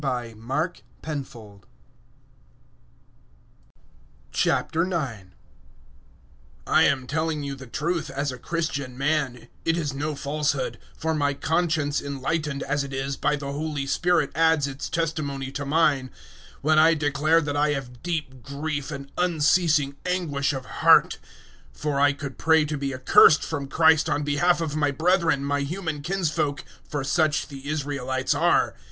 009:001 I am telling you the truth as a Christian man it is no falsehood, for my conscience enlightened, as it is, by the Holy Spirit adds its testimony to mine 009:002 when I declare that I have deep grief and unceasing anguish of heart. 009:003 For I could pray to be accursed from Christ on behalf of my brethren, my human kinsfolk for such the Israelites are.